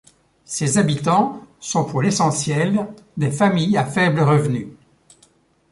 Ses habitants sont pour l'essentiel des familles à faible revenu.